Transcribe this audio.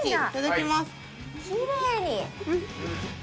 きれいに。